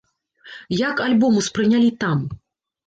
Як альбом успрынялі там?